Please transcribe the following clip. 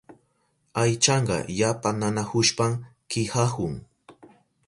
Aychanka yapa nanahushpan kihahun.